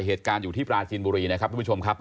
เหตุการณ์อยู่ที่ปราจีนบุรีนะครับทุกผู้ชมครับ